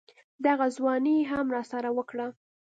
دغه ځواني يې هم راسره وکړه.